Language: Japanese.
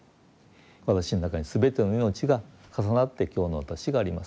私の中に全ての命が重なって今日の私がありますと。